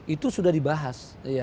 itu sudah dibahas